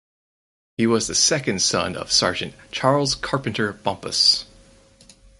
He was the second son of Serjeant Charles Carpenter Bompas.